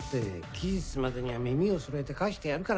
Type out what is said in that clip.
期日までには耳をそろえて返してやるから。